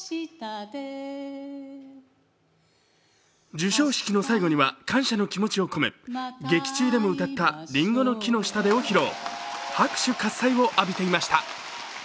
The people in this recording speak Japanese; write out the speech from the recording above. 授賞式の最後には感謝の気持ちを込め劇中でも歌った「林檎の樹の下で」を披露。